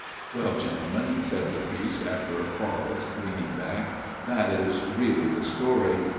" Well, gentlemen," said the priest after a pause, leaning back, " that is really the story.